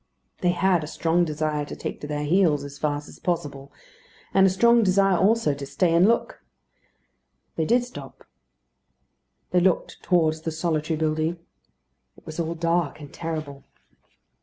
They had a strong desire to take to their heels as fast as possible, and a strong desire, also, to stay and look. They did stop. They looked towards the solitary building. It was all dark and terrible.